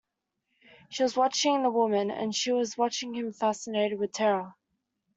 She was watching the woman, and she was watching him fascinated with terror.